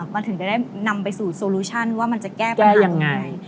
มันถึงจะได้นำไปสู่โซลูชั่นว่ามันจะแก้ปัญหายังไง